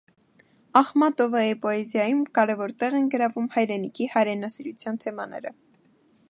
Ախմատովայի պոեզիայում կարևոր տեղ են գրավում հայրենիքի, հայրենասիրության թեմաները։